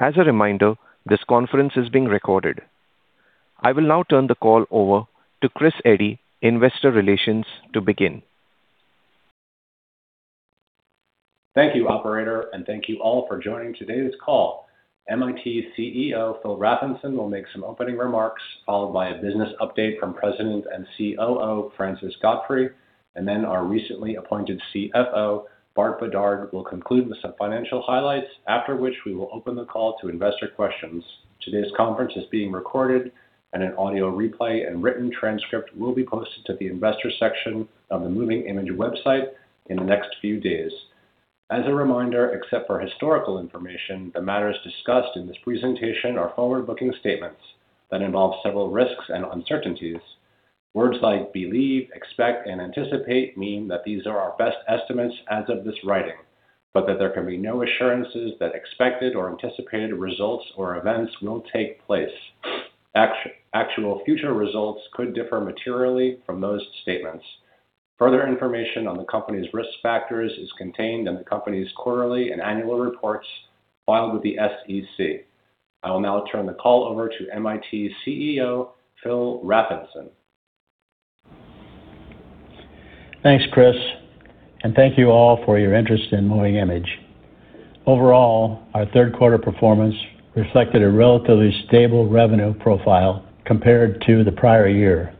As a reminder, this conference is being recorded. I will now turn the call over to Chris Eddy, Investor Relations to begin. Thank you Operator and thank you all for joining today's call. MiT CEO, Phil Rafnson will make some opening remarks, followed by a business update from President and COO, Francois Godfrey, and then our recently appointed CFO, Bart Bedard will conclude with some financial highlights. After which we will open the call to investor questions. Today's conference is being recorded and an audio replay and written transcript will be posted to the investor section of the Moving iMage website in the next few days. As a reminder, except for historical information, the matters discussed in this presentation are forward-looking statements that involve several risks and uncertainties. Words like believe, expect and anticipate mean that these are our best estimates as of this writing, that there can be no assurances that expected or anticipated results or events will take place. Actual future results could differ materially from those statements. Further information on the company's risk factors is contained in the company's quarterly and annual reports filed with the SEC. I will now turn the call over to MiT CEO, Phil Rafnson. Thanks, Chris, and thank you all for your interest in Moving iMage. Overall, our third quarter performance reflected a relatively stable revenue profile compared to the prior year.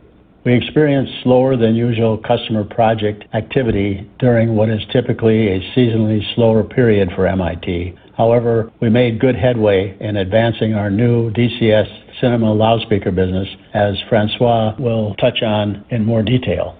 We experienced slower than usual customer project activity during what is typically a seasonally slower period for MiT. We made good headway in advancing our new DCS Cinema loudspeaker business, as Francois will touch on in more detail.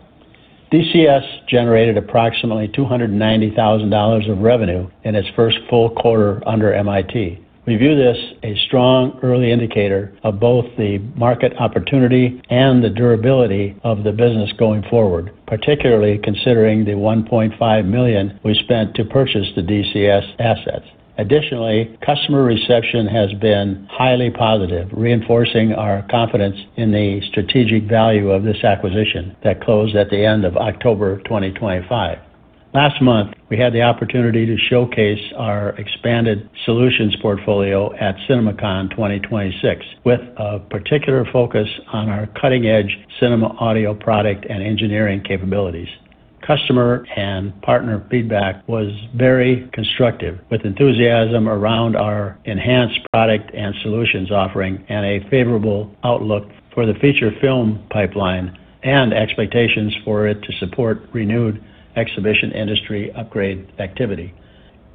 DCS generated approximately $290,000 of revenue in its first full quarter under MiT. We view this a strong early indicator of both the market opportunity and the durability of the business going forward, particularly considering the $1.5 million we spent to purchase the DCS assets. Customer reception has been highly positive, reinforcing our confidence in the strategic value of this acquisition that closed at the end of October 2025. Last month, we had the opportunity to showcase our expanded solutions portfolio at CinemaCon 2026 with a particular focus on our cutting-edge cinema audio product and engineering capabilities. Customer and partner feedback was very constructive with enthusiasm around our enhanced product and solutions offering and a favorable outlook for the feature film pipeline and expectations for it to support renewed exhibition industry upgrade activity.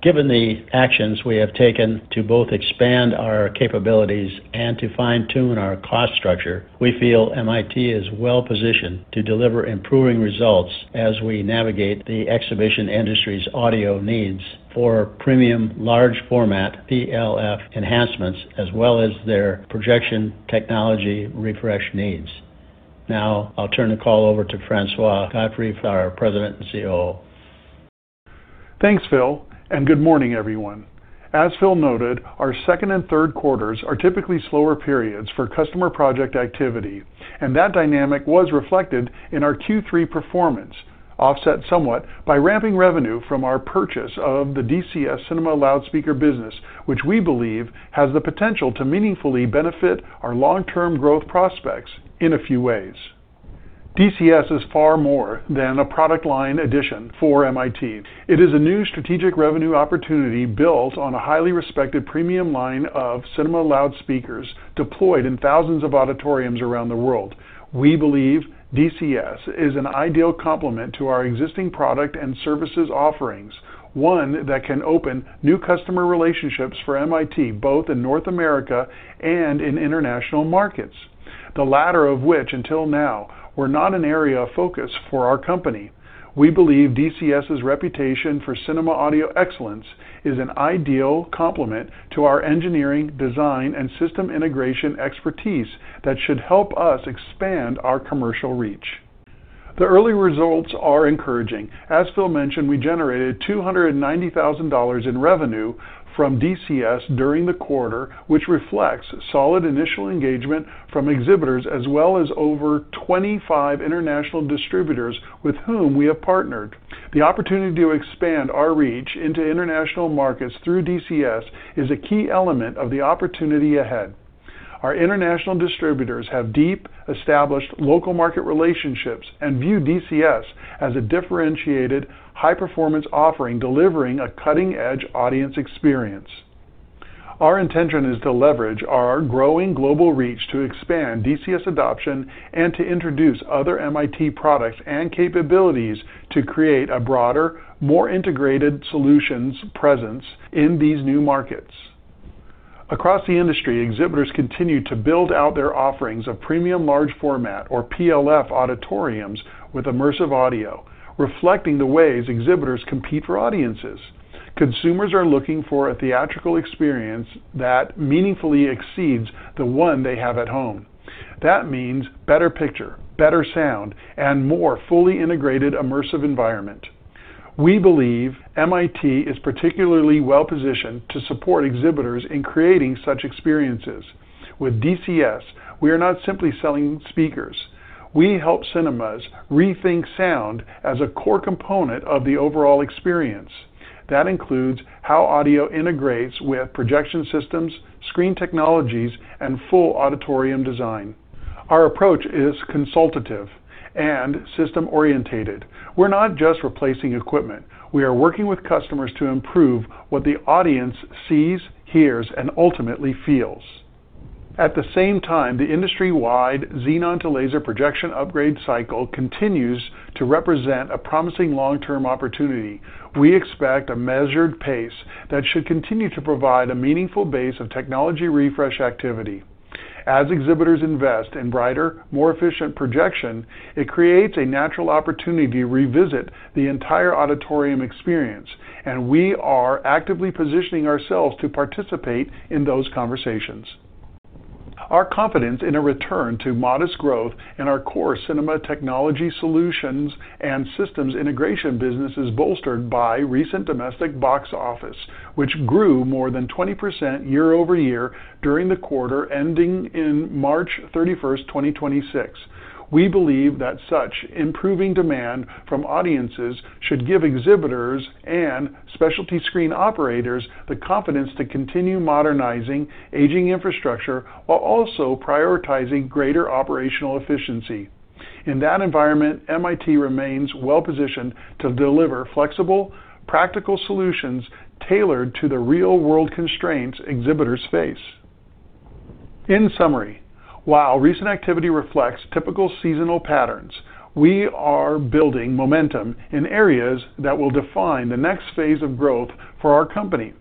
Given the actions we have taken to both expand our capabilities and to fine-tune our cost structure, we feel MiT is well-positioned to deliver improving results as we navigate the exhibition industry's audio needs for premium large format PLF enhancements as well as their projection technology refresh needs. I'll turn the call over to Francois Godfrey, our President and COO. Thanks, Phil, good morning, everyone. As Phil noted, our second and third quarters are typically slower periods for customer project activity, that dynamic was reflected in our Q3 performance, offset somewhat by ramping revenue from our purchase of the DCS Cinema loudspeaker business, which we believe has the potential to meaningfully benefit our long-term growth prospects in a few ways. DCS is far more than a product line addition for MiT. It is a new strategic revenue opportunity built on a highly respected premium line of cinema loudspeakers deployed in thousands of auditoriums around the world. We believe DCS is an ideal complement to our existing product and services offerings, one that can open new customer relationships for MiT, both in North America and in international markets. The latter of which, until now, were not an area of focus for our company. We believe DCS's reputation for cinema audio excellence is an ideal complement to our engineering, design and system integration expertise that should help us expand our commercial reach. The early results are encouraging. As Phil mentioned, we generated $290,000 in revenue from DCS during the quarter, which reflects solid initial engagement from exhibitors as well as over 25 international distributors with whom we have partnered. The opportunity to expand our reach into international markets through DCS is a key element of the opportunity ahead. Our international distributors have deep established local market relationships and view DCS as a differentiated high-performance offering, delivering a cutting-edge audience experience. Our intention is to leverage our growing global reach to expand DCS adoption and to introduce other MiT products and capabilities to create a broader, more integrated solutions presence in these new markets. Across the industry, exhibitors continue to build out their offerings of premium large format or PLF auditoriums with immersive audio, reflecting the ways exhibitors compete for audiences. Consumers are looking for a theatrical experience that meaningfully exceeds the one they have at home. That means better picture, better sound, and more fully integrated immersive environment. We believe MiT is particularly well-positioned to support exhibitors in creating such experiences. With DCS, we are not simply selling speakers. We help cinemas rethink sound as a core component of the overall experience. That includes how audio integrates with projection systems, screen technologies, and full auditorium design. Our approach is consultative and system-oriented. We're not just replacing equipment. We are working with customers to improve what the audience sees, hears, and ultimately feels. At the same time, the industry-wide xenon-to-laser projection upgrade cycle continues to represent a promising long-term opportunity. We expect a measured pace that should continue to provide a meaningful base of technology refresh activity. As exhibitors invest in brighter, more efficient projection, it creates a natural opportunity to revisit the entire auditorium experience, and we are actively positioning ourselves to participate in those conversations. Our confidence in a return to modest growth in our core cinema technology solutions and systems integration business is bolstered by recent domestic box office, which grew more than 20% year-over-year during the quarter ending in March 31st, 2026. We believe that such improving demand from audiences should give exhibitors and specialty screen operators the confidence to continue modernizing aging infrastructure while also prioritizing greater operational efficiency. In that environment, MiT remains well-positioned to deliver flexible, practical solutions tailored to the real-world constraints exhibitors face. In summary, while recent activity reflects typical seasonal patterns, we are building momentum in areas that will define the next phase of growth for our company.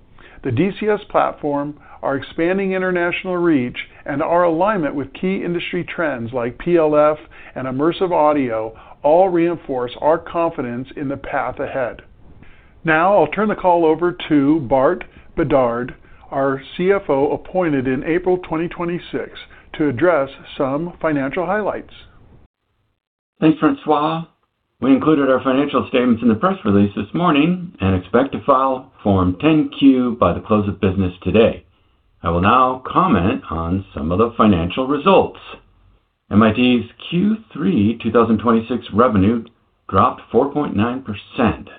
The DCS platform, our expanding international reach, and our alignment with key industry trends like PLF and immersive audio all reinforce our confidence in the path ahead. I'll turn the call over to Bart Bedard, our CFO appointed in April 2026, to address some financial highlights. Thanks, Francois. We included our financial statements in the press release this morning and expect to file Form 10-Q by the close of business today. I will now comment on some of the financial results. MiT's Q3 2026 revenue dropped 4.9%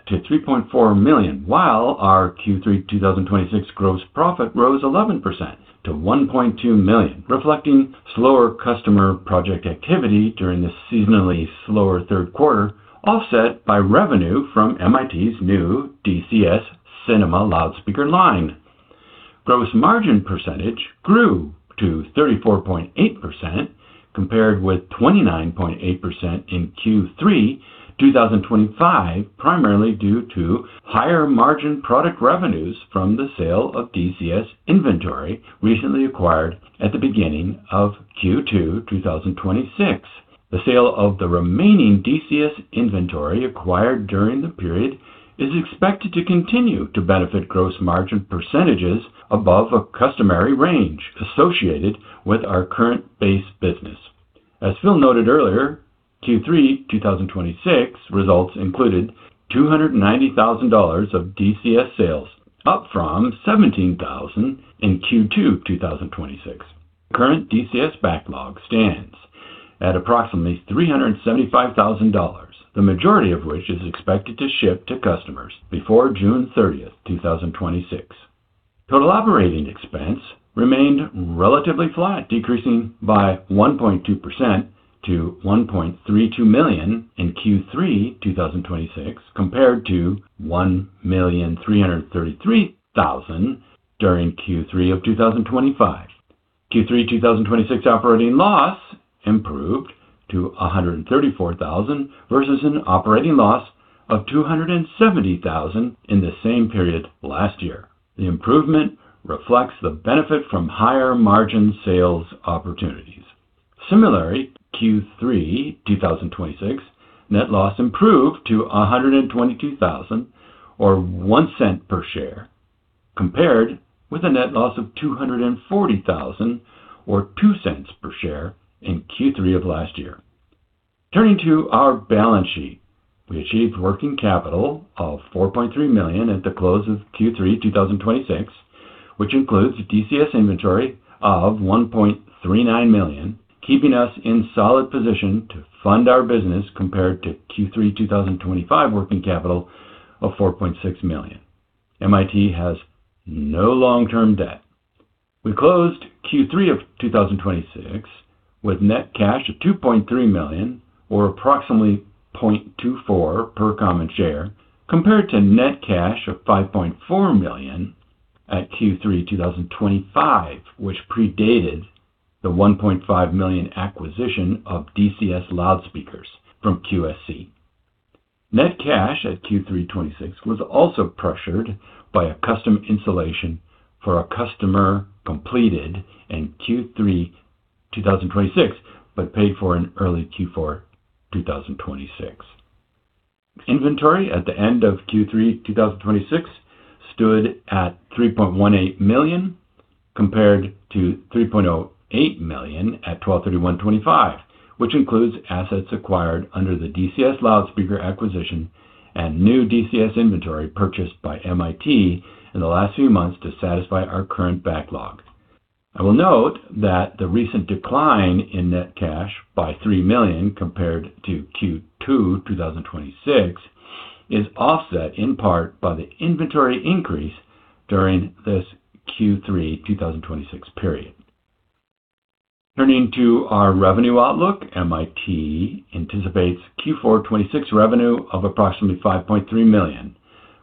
to $3.4 million, while our Q3 2026 gross profit rose 11% to $1.2 million, reflecting slower customer project activity during the seasonally slower third quarter, offset by revenue from MiT's new DCS cinema loudspeaker line. Gross margin percentage grew to 34.8% compared with 29.8% in Q3 2025, primarily due to higher-margin product revenues from the sale of DCS inventory recently acquired at the beginning of Q2 2026. The sale of the remaining DCS inventory acquired during the period is expected to continue to benefit gross margin percentages above a customary range associated with our current base business. As Phil noted earlier, Q3 2026 results included $290,000 of DCS sales, up from $17,000 in Q2 2026. Current DCS backlog stands at approximately $375,000, the majority of which is expected to ship to customers before June 30th, 2026. Total operating expense remained relatively flat, decreasing by 1.2% to $1.32 million in Q3 2026 compared to $1,333,000 during Q3 of 2025. Q3 2026 operating loss improved to $134,000 versus an operating loss of $270,000 in the same period last year. The improvement reflects the benefit from higher-margin sales opportunities. Similarly, Q3 2026 net loss improved to $122,000 or $0.01/share compared with a net loss of $240,000 or $0.02/share in Q3 of last year. Turning to our balance sheet, we achieved working capital of $4.3 million at the close of Q3 2026, which includes DCS inventory of $1.39 million, keeping us in solid position to fund our business compared to Q3 2025 working capital of $4.6 million. MiT has no long-term debt. We closed Q3 of 2026 with net cash of $2.3 million or approximately $0.24/common share compared to net cash of $5.4 million at Q3 2025, which predated the $1.5 million acquisition of DCS loudspeakers from QSC. Net cash at Q3 2026 was also pressured by a custom installation for a customer completed in Q3 2026 but paid for in early Q4 2026. Inventory at the end of Q3 2026 stood at $3.18 million compared to $3.08 million at 12/31/2025. Which includes assets acquired under the DCS loudspeaker acquisition and new DCS inventory purchased by MiT in the last few months to satisfy our current backlog. I will note that the recent decline in net cash by $3 million compared to Q2 2026 is offset in part by the inventory increase during this Q3 2026 period. Turning to our revenue outlook, MiT anticipates Q4 2026 revenue of approximately $5.3 million,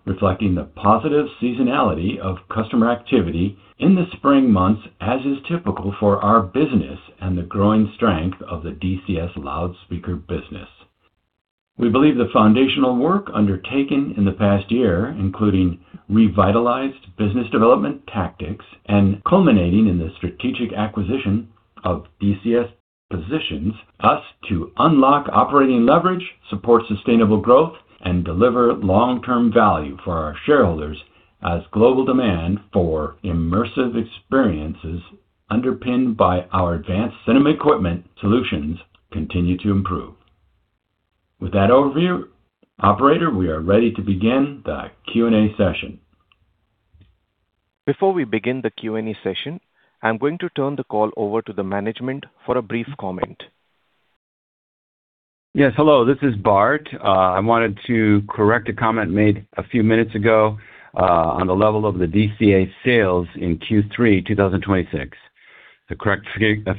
reflecting the positive seasonality of customer activity in the spring months, as is typical for our business and the growing strength of the DCS loudspeaker business. We believe the foundational work undertaken in the past year, including revitalized business development tactics and culminating in the strategic acquisition of DCS, positions us to unlock operating leverage, support sustainable growth, and deliver long-term value for our shareholders as global demand for immersive experiences underpinned by our advanced cinema equipment solutions continue to improve. With that overview, Operator, we are ready to begin the Q&A session. Before we begin the Q&A session, I'm going to turn the call over to the management for a brief comment. Yes. Hello, this is Bart. I wanted to correct a comment made a few minutes ago on the level of the DCS sales in Q3 2026. The correct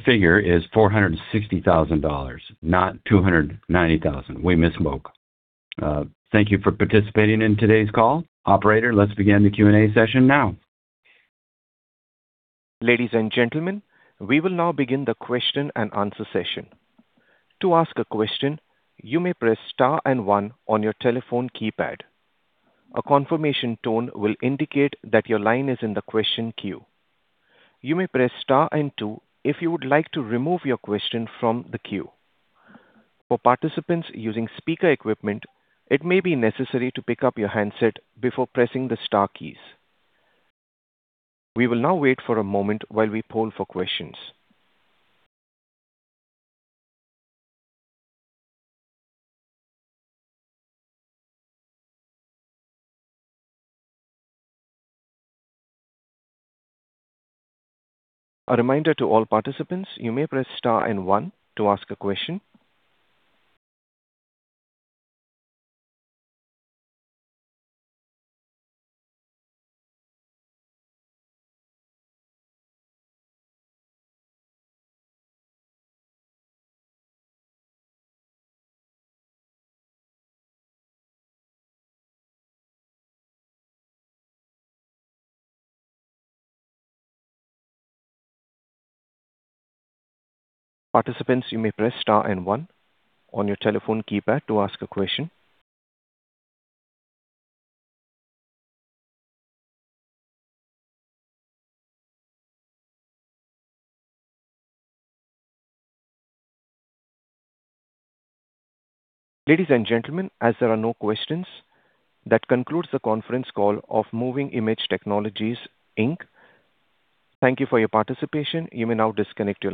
figure is $460,000, not $290,000. We misspoke. Thank you for participating in today's call. Operator, let's begin the Q&A session now. Ladies and gentlemen, we will now begin the question and answer session. To ask a question, you may press star and one on your telephone keypad. A confirmation tone will indicate that your line is in the question queue. You may press star and two if you would like to remove your question from the queue. For participants using speaker equipment, it may be necessary to pick up your handset before pressing the star keys. We will now wait for a moment while we poll for questions. A reminder to all participants, you may press star and one to ask a question. Participants, you may press star and one on your telephone keypad to ask a question. Ladies and gentlemen, as there are no questions, that concludes the conference call of Moving iMage Technologies, Inc. Thank you for your participation. You may now disconnect your line.